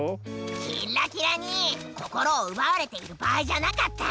キッラキラにこころをうばわれているばあいじゃなかった！